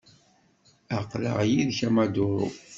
Aql-aɣ yid-k a Maduro.